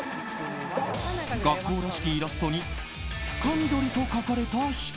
学校らしきイラストに深緑と書かれた人。